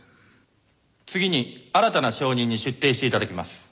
次に新たな証人に出廷して頂きます。